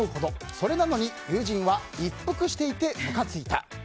それなのに友人は一服していてむかついた。